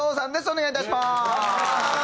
お願いいたします！